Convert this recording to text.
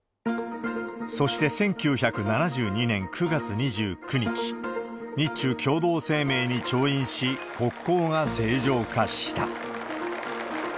そして１９７２年９月２９日、日中共同声明に調印し、国交が正常化した。